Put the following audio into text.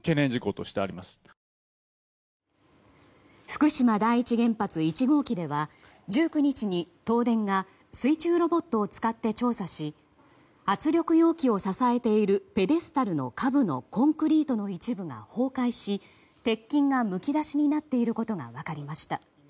福島第一原発１号機では１９日に東電が水中ロボットを使って調査し圧力容器を支えているペデスタルの下部のコンクリートの一部が崩壊し鉄筋がむき出しになっていることが分かりました。